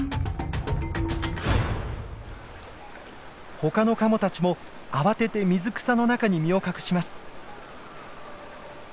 他のカモたちも慌てて水草の中に身を隠します。